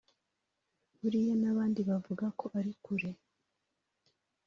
buriya n’abandi bavuga ko ari kure